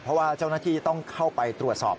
เพราะว่าเจ้าหน้าที่ต้องเข้าไปตรวจสอบ